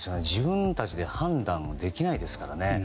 自分たちで判断できないですからね。